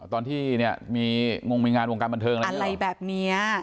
ตอนที่เนี่ยมีงงมีงานวงการบันเทิงอะไรแบบนี้